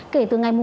kể từ ngày hôm nay